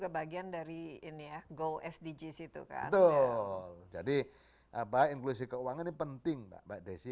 betul jadi inklusi keuangan ini penting mbak desi